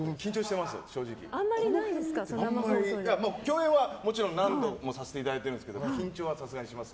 共演はもちろん何度もさせていただいてるんですけど緊張はさすがにします。